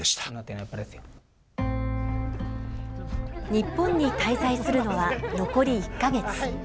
日本に滞在するのは残り１か月。